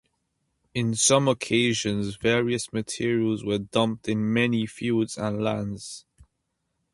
In some occasions, various materials were dumped in many fields and lands.